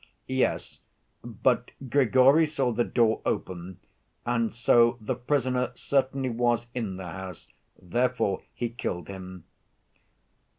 " 'Yes, but Grigory saw the door open and so the prisoner certainly was in the house, therefore he killed him.